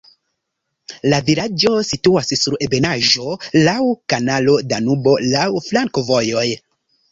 La vilaĝo situas sur ebenaĵo, laŭ kanalo Danubo, laŭ flankovojoj.